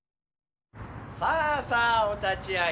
さあさあお立ち会い。